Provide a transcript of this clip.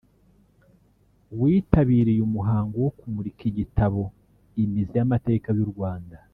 witabiriye umuhango wo kumurika igitabo “Imizi y’amateka y’u Rwanda”